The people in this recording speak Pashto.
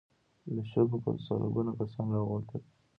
له شګو په سلګونو کسان را ووتل.